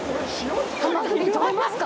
ハマグリ取れますか？